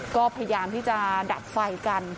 ก็พยายามที่จะดับไฟกัน